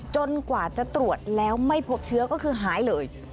กว่าจะตรวจแล้วไม่พบเชื้อก็คือหายเลย